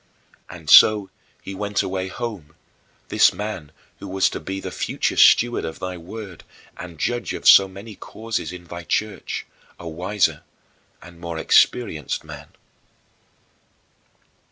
And so he went away home, this man who was to be the future steward of thy Word and judge of so many causes in thy Church a wiser and more experienced man.